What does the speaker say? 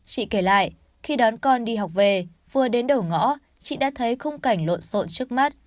chị kể lại khi đón con đi học về vừa đến đầu ngõ chị đã thấy khung cảnh lộn xộn trước mắt